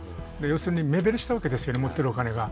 要するに目減りしたわけですよね持ってるお金が。